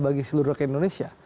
bagi seluruh rakyat indonesia